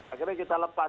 akhirnya kita lepas